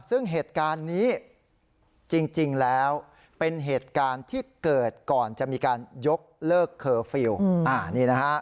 ซึ่งเหตุการณ์นี้จริงแล้วเป็นเหตุการณ์ที่เกิดก่อนจะมีการยกเลิกเคอร์ฟิลล์นี่นะฮะ